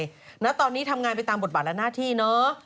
แล้วตอนนี้ทำงานไปตามบทบาทและหน้าที่เนอะ